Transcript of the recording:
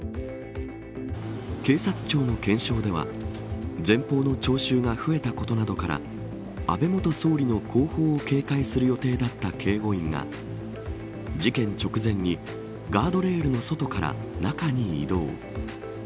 警察庁の検証では前方の聴衆が増えたことなどから安倍元総理の後方を警戒する予定だった警護員が事件直前にガードレールの外から中に移動。